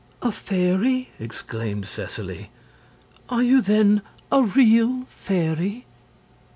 "A fairy!" exclaimed Seseley. "Are you, then, a real fairy?"